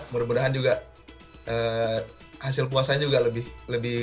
mudah mudahan juga hasil puasanya juga lebih